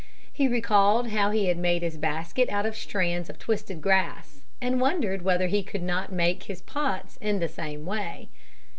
He recalled how he had made his basket out of strands of twisted grass and wondered whether he could not make his pots in the same way.